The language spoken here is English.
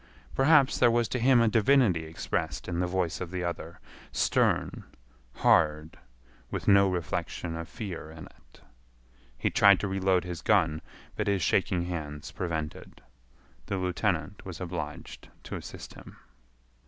Perhaps there was to him a divinity expressed in the voice of the other—stern, hard, with no reflection of fear in it. He tried to reload his gun, but his shaking hands prevented. The lieutenant was obliged to assist him.